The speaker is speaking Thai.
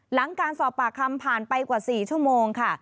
หลังการสอบปากคำผ่านไปกว่า๔ชั่วโมงค่ะ